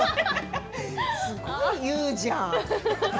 すごい言うじゃん。